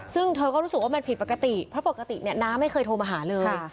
ซึ่งเธอก็รู้สึกว่ามันผิดปกติเพราะปกติเนี่ยน้าไม่เคยโทรมาหาเลย